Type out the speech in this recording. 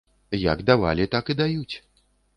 Як давалі, так і даюць.